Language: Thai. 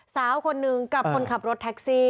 สาวคนนึงกับคนขับรถแท็กซี่